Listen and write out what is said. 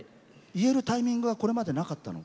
言えるタイミングはこれまでなかったの？